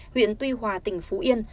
huyện tuy hòa tỉnh phú yên